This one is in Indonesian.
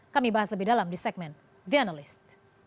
kami bahas lebih dalam di segmen the analyst